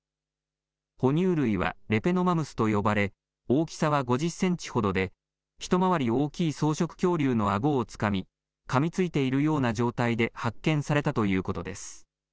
哺乳類はレペノマムスと呼ばれ大きさは５０センチほどで一回り大きい草食恐竜のあごをつかみ、かみついているような状態で発見されたということです。